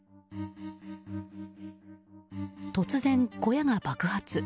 突然、小屋が爆発。